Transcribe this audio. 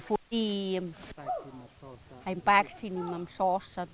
pembah atb tidak bermanfaat